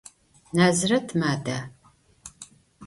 Naziret mada?